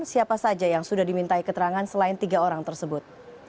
siapa saja yang sudah dimintai keterangan selain tiga orang tersebut